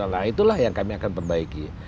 nah itulah yang kami akan perbaiki